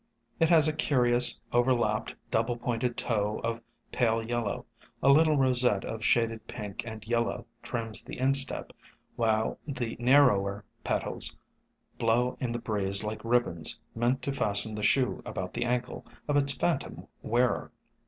It has a curious, overlapped, double pointed toe of pale yellow; a little rosette of shaded pink and yellow trims the instep, while the narrower petals blow in the breeze like ribbons meant to fasten the shoe about the ankle of its phantom wearer.